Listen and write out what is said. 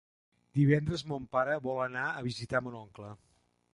Divendres mon pare vol anar a visitar mon oncle.